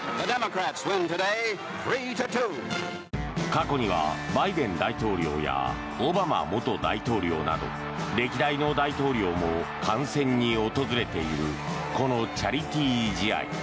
過去にはバイデン大統領やオバマ元大統領など歴代の大統領も観戦に訪れているこのチャリティー試合。